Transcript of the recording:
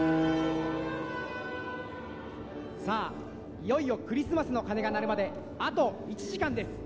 「いよいよクリスマスの鐘が鳴るまであと１時間です。